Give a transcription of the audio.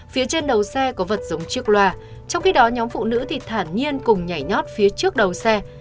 phía trên đầu xe có vật dụng chiếc loa trong khi đó nhóm phụ nữ thì thản nhiên cùng nhảy nhót phía trước đầu xe